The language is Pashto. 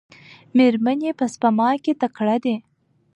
میرمنې په سپما کې تکړه دي.